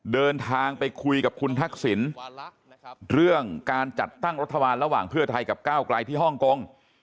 เดินทางไปคุยกับคุณทักษิณเรื่องการจัดตั้งรัฐบาลระหว่างเพื่อไทยกับก้าวไกลที่ฮ่องกง